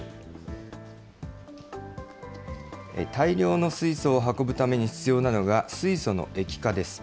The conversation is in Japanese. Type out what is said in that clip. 大量の水素を運ぶために必要なのが、水素の液化です。